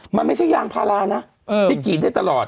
มันไม่ใช่ยางพารานะที่กรีดได้ตลอด